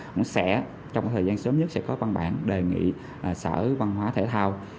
cũng sẽ trong thời gian sớm nhất sẽ có văn bản đề nghị sở văn hóa thể thao